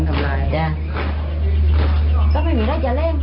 และนักจันทรีย์ก็สู้ดูไม่ใช่พระเจ้า